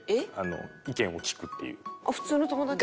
普通の友達？